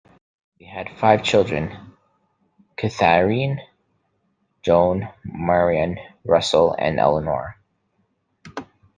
They had five children: Katharine, Joan, Marion, Russell, and Elinor.